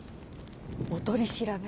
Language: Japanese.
お取り調べ？